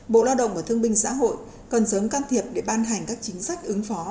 bộ lao động và thương binh xã hội cần sớm can thiệp để ban hành các chính sách ứng phó